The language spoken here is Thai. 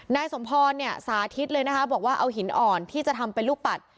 นายสมพรเนี่ยสาธิตเลยนะคะบอกว่าเอาหินอ่อนที่จะทำเป็นลูกปัด